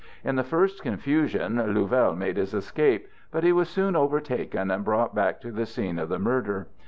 In the first confusion Louvel made his escape, but he was soon overtaken and brought back to the scene of the murder.